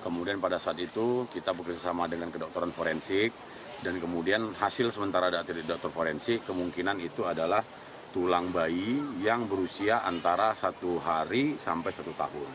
kemudian pada saat itu kita bekerjasama dengan kedokteran forensik dan kemudian hasil sementara dari dokter forensik kemungkinan itu adalah tulang bayi yang berusia antara satu hari sampai satu tahun